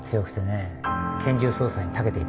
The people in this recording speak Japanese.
拳銃操作にたけていた。